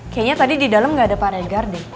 kayaknya tadi di dalam gak ada paregar deh